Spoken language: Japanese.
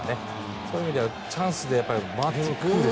そういう意味ではチャンスで回ってくるでしょう。